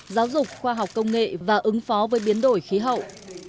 giáo dục khoa học công nghệ và ứng phó với biến đổi khí hậu